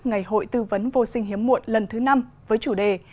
ngày hội tư vấn vô sinh hiếm muộn lần thứ năm với chủ đề